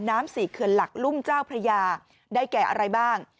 น้ำสี่เขือนหลักลุ้มเจ้าพระยาได้แก่อะไรบ้าง